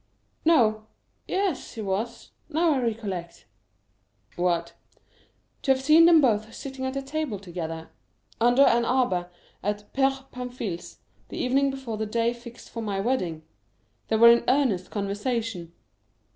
"No—yes, he was. Now I recollect——" "What?" "To have seen them both sitting at table together under an arbor at Père Pamphile's the evening before the day fixed for my wedding. They were in earnest conversation.